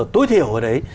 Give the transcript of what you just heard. tối thiểu ở đấy